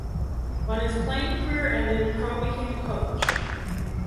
When his playing career ended, Crow became a coach.